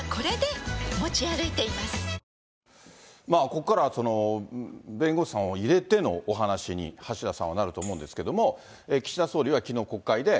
ここからは弁護士さんを入れてのお話に、橋田さんはなると思うんですけれども、岸田総理はきのう国会で。